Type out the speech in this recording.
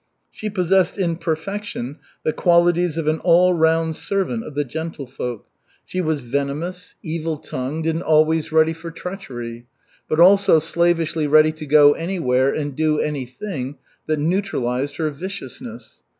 She possessed in perfection the qualities of an all round servant of the gentlefolk. She was venomous, evil tongued and always ready for treachery, but also slavishly ready to go anywhere and do anything that neutralized her viciousness.